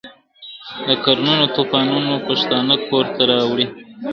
د قرنونو توپانونو پښتانه کور ته راوړی !.